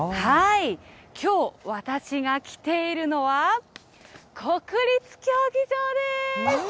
きょう私が来ているのは、国立競技場です。